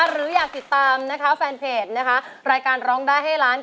หรืออยากติดตามนะคะแฟนเพจนะคะรายการร้องได้ให้ล้าน